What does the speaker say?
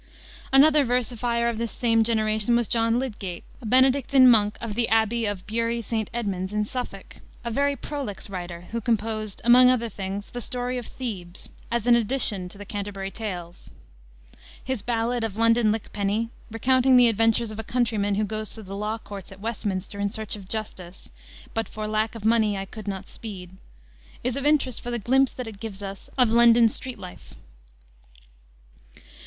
Another versifier of this same generation was John Lydgate, a Benedictine monk, of the Abbey of Bury St. Edmunds, in Suffolk, a very prolix writer, who composed, among other things, the Story of Thebes, as an addition to the Canterbury Tales. His ballad of London Lyckpenny, recounting the adventures of a countryman who goes to the law courts at Westminster in search of justice, "But for lack of mony I could not speede," is of interest for the glimpse that it gives us of London street life.